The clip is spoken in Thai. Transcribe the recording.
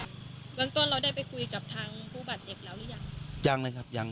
พี่วันนี้เราได้ไปคุยกับทางภูบาตเจ็บแล้วยัง